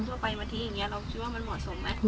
เราคิดว่ามันเหมาะสมไหม